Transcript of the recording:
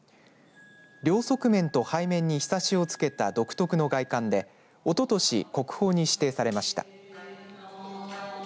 両側面と背面に日さしをつけた独特の会館でおととし国宝に指定されました。